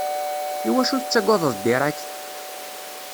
Iwacu tettagadeḍ Derek?